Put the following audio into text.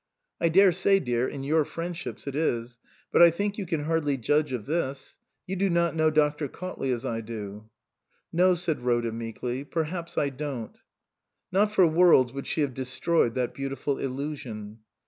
"I daresay, dear, in your friendships it is. But I think you can hardly judge of this. You do not know Dr. Cautley as I do." "No," said Rhoda meekly, "perhaps I don't." Not for worlds would she have destroyed that beautiful illusion.